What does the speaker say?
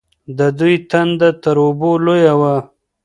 د دوی تنده تر اوبو لویه وه.